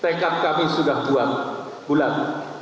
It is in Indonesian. tekad kami sudah bulat